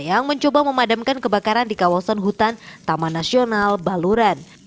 yang mencoba memadamkan kebakaran di kawasan hutan taman nasional baluran